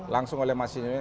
langsung oleh masjid ini